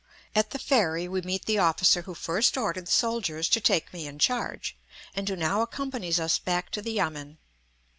At the ferry we meet the officer who first ordered the soldiers to take me in charge, and who now accompanies us back to the yamen.